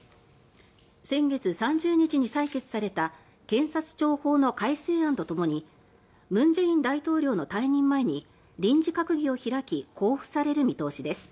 先月３０日に採決された検察庁法の改正案とともに文在寅大統領の退任前に臨時閣議を開き公布される見通しです。